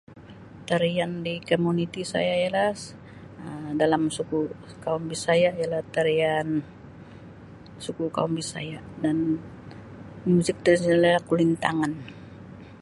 Tarian di komuniti saya ialah Um dalam suku kaum Bisaya ialah tarian suku kaum Bisaya dan muzik tradisionalnya kulintangan.